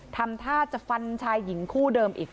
ทำท่าจะฟันชายหญิงคู่เดิมอีก